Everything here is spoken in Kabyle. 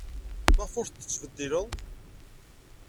Maɣef ur t-tettbeddileḍ?